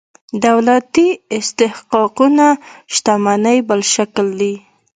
دولتي استحقاقونه شتمنۍ بل شکل دي.